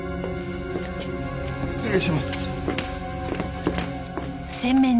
失礼します。